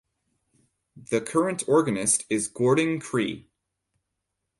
The current organist is Gordon Cree.